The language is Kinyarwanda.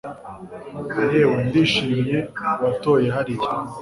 yewe ndishimye uwatoye hariya